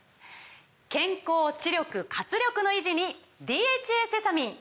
健康・知力・活力の維持に「ＤＨＡセサミン」！